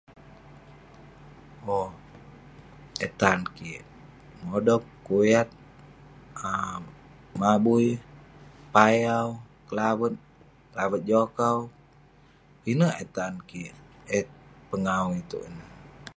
Eh tan kik, modog, kuyat, mabui, payau, kelavet, kelavet jokau. Pinek eh tan kik eh pengawu itouk ineh.